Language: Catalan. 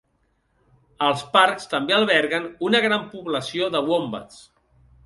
Els parcs també alberguen una gran població de wombats.